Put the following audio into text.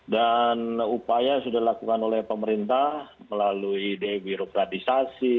dan upaya sudah dilakukan oleh pemerintah melalui devirokratisasi